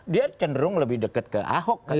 dia cenderung lebih dekat ke ahok